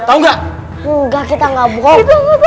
tau gak enggak kita gak bohong